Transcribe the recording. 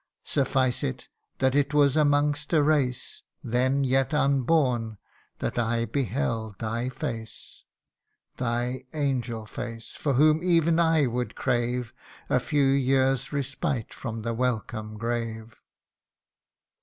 Suffice it, that it was amongst a race Then, yet unborn, that I beheld thy face Thy angel face, for whom ev'n I would crave A few years respite from the welcome grave."